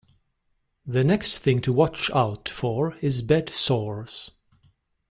The next thing to watch out for is bed sores.